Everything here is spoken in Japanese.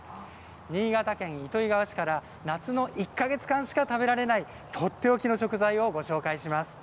新潟県糸魚川市から夏の１か月間しか食べられない、取って置きの食材をご紹介します。